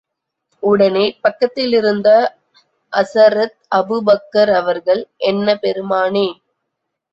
உடனே, பக்கத்திலிருந்த அசரத் அபூபக்கர் அவர்கள் என்ன பெருமானே!